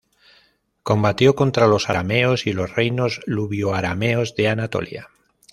Combatió contra los arameos y los reinos luvio-arameos de Anatolia.